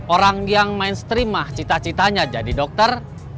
orang yang mainstream mah cita citanya jadi dokter